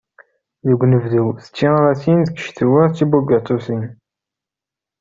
Deg unebdu, d taɣratin. Deg ccetwa, d tibugaṭutin.